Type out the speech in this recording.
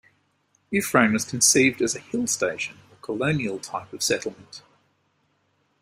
Ifrane was conceived as a "hill station" or colonial type of settlement.